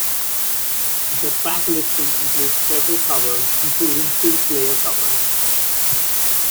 The track listing includes several covers, including two Slayer covers.